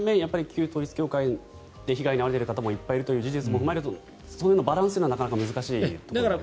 旧統一教会で被害に遭われている方もいっぱいいるという事実も踏まえるとそのバランスがなかなか難しいところですね。